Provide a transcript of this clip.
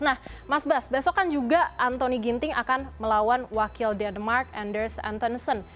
nah mas bas besokan juga anthony ginting akan melawan wakil denmark anders antonsen